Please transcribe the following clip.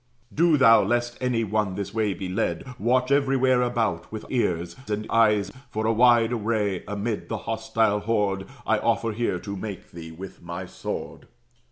Do thou, lest any one this way be led, Watch everywhere about, with ears and eyes; For a wide way, amid the hostile horde, I offer here to make thee with my sword."